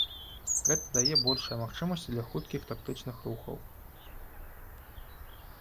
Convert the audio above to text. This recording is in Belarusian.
Гэта дае большыя магчымасці для хуткіх тактычных рухаў.